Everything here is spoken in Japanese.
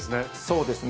そうですね。